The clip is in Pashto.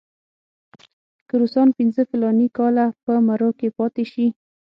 که روسان پنځه فلاني کاله په مرو کې پاتې شي.